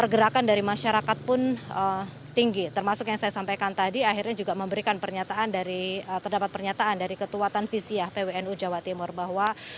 pergerakan dari masyarakat pun tinggi termasuk yang saya sampaikan tadi akhirnya juga memberikan pernyataan dari terdapat pernyataan dari ketua tanfisiah pwnu jawa timur bahwa